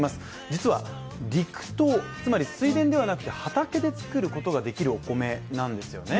実は、陸稲、つまり水田ではなくて畑で作ることができるお米なんですよね。